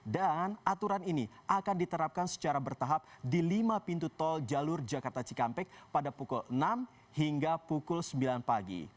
dan aturan ini akan diterapkan secara bertahap di lima pintu tol jalur jakarta cikampek pada pukul enam hingga pukul sembilan pagi